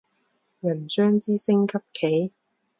银将之升级棋。